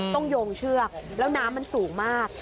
โยงเชือกแล้วน้ำมันสูงมาก